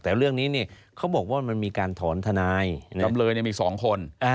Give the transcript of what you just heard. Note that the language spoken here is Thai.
แต่เรื่องนี้เนี่ยเขาบอกว่ามันมีการถอนทนายจำเลยเนี่ยมีสองคนอ่า